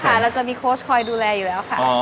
เราจะมีโค้ชคอยดูแลอยู่แล้วค่ะ